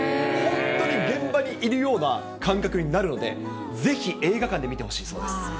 本当に現場にいるような感覚になるので、ぜひ映画館で見てほしい楽しみ。